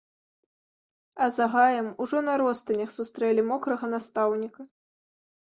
А за гаем, ужо на ростанях сустрэлі мокрага настаўніка.